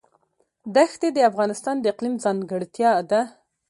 ښتې د افغانستان د اقلیم ځانګړتیا ده.